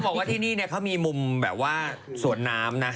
บอกว่าที่นี่เขามีมุมแบบว่าสวนน้ำนะ